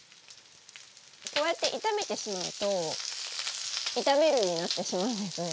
こうやって炒めてしまうと炒めるになってしまうんですね。